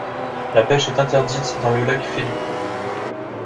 La pêche est interdite dans le lac Felipe.